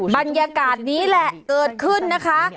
บรรยากาศนี้แหละเกิดขึ้นนะคะ